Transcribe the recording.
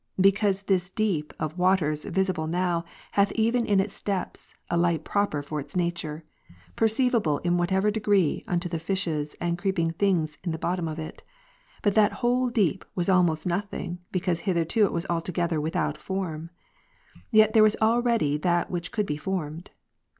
Because this deep of waters, visible now, hath even in his depths, a light proper for its nature ; perceivable in whatever degree unto the fishes, and creeping things in the bottom of it. But that whole deep was almost nothing, because hitherto it was altogether without form ; yet there was already that Avhich could be formed.